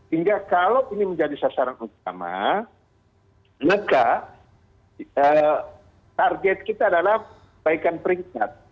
hingga kalau ini menjadi sasaran utama maka target kita adalah baikan peringkat